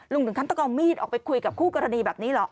ถึงขั้นต้องเอามีดออกไปคุยกับคู่กรณีแบบนี้เหรอ